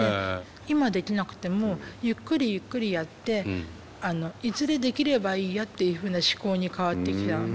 今できなくてもゆっくりゆっくりやっていずれできればいいやっていうふうな思考に変わってきたので。